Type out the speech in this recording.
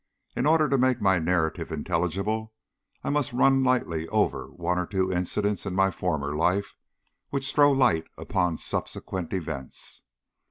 In order to make my narrative intelligible, I must run lightly over one or two incidents in my former life which throw light upon subsequent events.